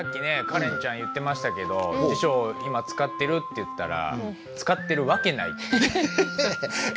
カレンちゃん言ってましたけど「辞書今使ってる？」って言ったら「使ってる訳ない」って。